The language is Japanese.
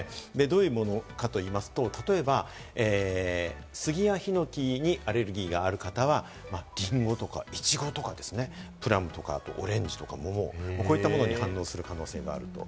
どういうものかといいますと、例えばスギやヒノキにアレルギーがある方はリンゴとかイチゴとかですね、プラムとかオレンジ、モモ、こういったものに反応する可能性があると。